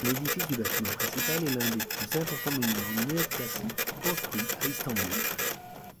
L'édifice du bâtiment principal est l'un des plus importants monuments néoclassiques construit à Istanbul.